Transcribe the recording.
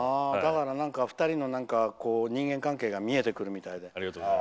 だから２人の人間関係が見えてくるみたいで。